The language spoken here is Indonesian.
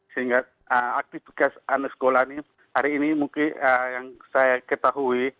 sehingga aktivitas anak sekolah ini hari ini mungkin yang saya ketahui